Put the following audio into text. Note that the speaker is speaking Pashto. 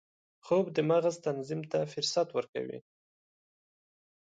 خوب د مغز تنظیم ته فرصت ورکوي